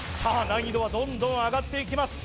難易度はどんどん上がっていきます